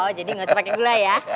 oh jadi nggak usah pakai gula ya